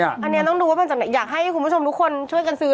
อันนี้ต้องดูว่าอยากให้คุณผู้ชมทุกคนช่วยกันซื้อ